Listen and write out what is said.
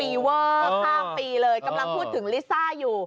ลูกชิ้นยืนกินก็ปีเวิมห้าปีเลยกำลังพูดถึงลิซ่าอยู่